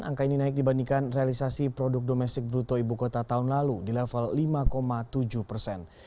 angka ini naik dibandingkan realisasi produk domestik bruto ibu kota tahun lalu di level lima tujuh persen